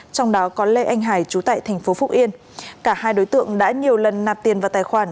trong đó có lê anh hải chú tại tp phúc yên cả hai đối tượng đã nhiều lần nạp tiền vào tài khoản